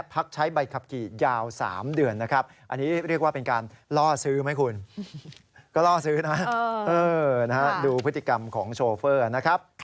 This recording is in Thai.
โปรดติดตามตอนต่อไป